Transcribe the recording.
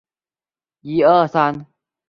人最多那天直接定下来